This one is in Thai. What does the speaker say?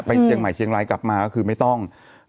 ไปเชียงรายเชียงใหม่กลับมาก็คือไม่ต้อง